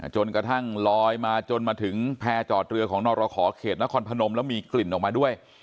จนกระทั่งลอยมาจนมาถึงแพร่จอดเรือของนรขอเขตนครพนมแล้วมีกลิ่นออกมาด้วย